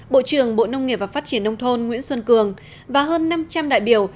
bộ trưởng bộ nông nghiệp và phát triển nông thôn nguyễn xuân cường và hơn năm trăm linh đại biểu